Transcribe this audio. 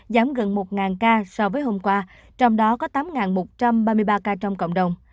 giảm gần một ca so với hôm qua trong đó có tám một trăm ba mươi ba ca trong cộng đồng